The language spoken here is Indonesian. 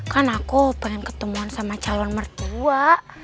kan aku pengen ketemuan sama calon mertua